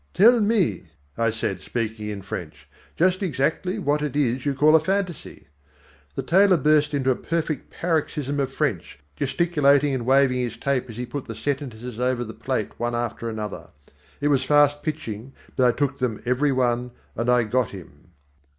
"Tell me," I said, speaking in French, "just exactly what it is you call a fantasy." The tailor burst into a perfect paroxysm of French, gesticulating and waving his tape as he put the sentences over the plate one after another. It was fast pitching, but I took them every one, and I got him.